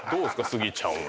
スギちゃんは。